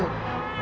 gue nggak peduli